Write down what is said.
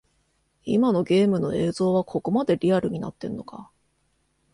今のゲームの映像はここまでリアルになってんのか